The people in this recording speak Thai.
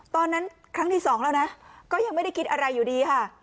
ครั้งที่สองแล้วนะก็ยังไม่ได้คิดอะไรอยู่ดีค่ะ